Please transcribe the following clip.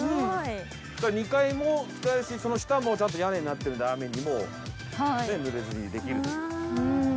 ２階も使えるしその下もちゃんと屋根になってるんで雨にも濡れずにできるという。